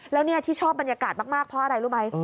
แล้วนี่ที่ชอบบรรยากาศมากเพราะอะไรรู้ไหม